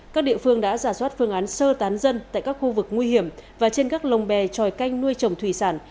các địa phương đã giả soát phương án sơ tán dân tại các khu vực nguy hiểm và trên các lồng bè tròi canh nuôi trồng thủy sản